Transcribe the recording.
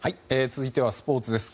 続いてはスポーツです。